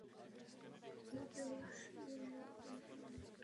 Získal zde dvě bronzové medaile.